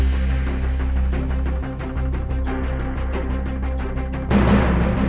kalau bagus kalau g prest sao ga datang nangis tuh